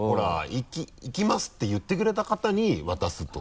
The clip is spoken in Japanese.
「行きます」って言ってくれた方に渡すってことじゃない。